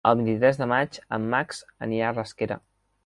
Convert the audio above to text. El vint-i-tres de maig en Max anirà a Rasquera.